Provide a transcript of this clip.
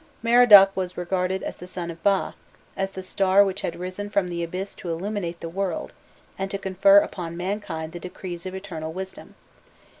Merodach was regarded as the son of Ba, as the star which had risen from the abyss to illuminate the world, and to confer upon mankind the decrees of eternal wisdom.